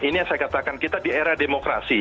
ini yang saya katakan kita di era demokrasi